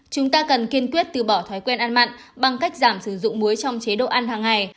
chúng ta cần kiên quyết từ bỏ thói quen ăn mặn bằng cách giảm sử dụng muối trong chế độ ăn hàng ngày